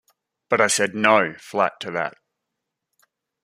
But I said ‘no’ flat to that.